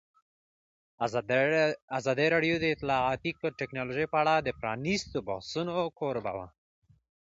ازادي راډیو د اطلاعاتی تکنالوژي په اړه د پرانیستو بحثونو کوربه وه.